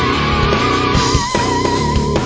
ดีดีดี